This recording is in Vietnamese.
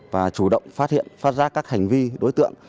và chủ động phát hiện phát giác các hành vi đối tượng